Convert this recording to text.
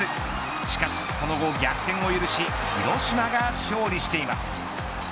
しかしその後逆転を許し広島が勝利しています。